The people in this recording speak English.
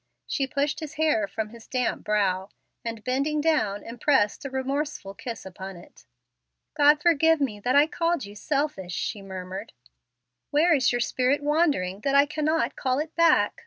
She pushed his hair from his damp brow, and, bending down, impressed a remorseful kiss upon it. "God forgive me that I called you selfish," she murmured. "Where is your spirit wandering that I cannot call it back?